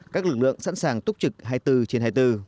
các lực lượng sẵn sàng túc trực hai mươi bốn trên hai mươi bốn